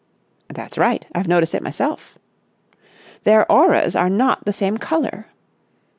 "That's right. I've noticed it myself." "Their auras are not the same colour."